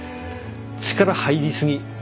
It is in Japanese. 力入りすぎ。